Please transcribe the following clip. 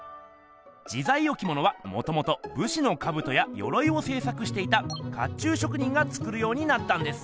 自在置物はもともとぶしのカブトやヨロイをせい作していた甲冑職人が作るようになったんです！